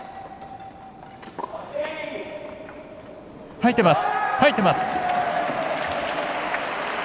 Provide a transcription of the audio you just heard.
入ってます。